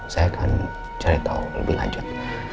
saya akan cari tahu lebih lanjut